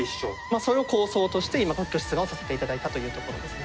それを構想として今特許出願をさせて頂いたというところですね。